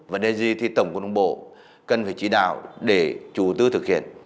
và đề gì thì tổng quân đồng bộ cần phải chỉ đạo để chủ tư thực hiện